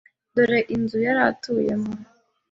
Dore inzu yari atuyemo.